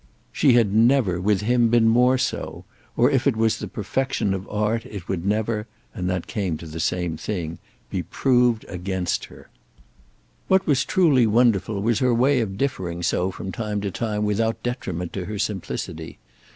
She had never, with him, been more so; or if it was the perfection of art it would never—and that came to the same thing—be proved against her. What was truly wonderful was her way of differing so from time to time without detriment to her simplicity.